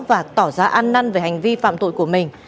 và tỏ ra ăn năn về hành vi phạm tội của mình